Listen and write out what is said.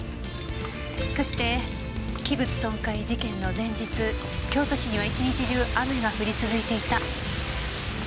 そして器物損壊事件の前日京都市には一日中雨が降り続いていた。